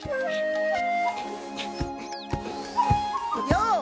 よう！